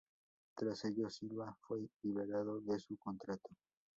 Tras ello, Silva fue liberado de su contrato.